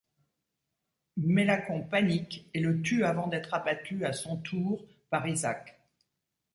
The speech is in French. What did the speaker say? Melakon panique et le tue avant d'être abattu à son tour par Isak.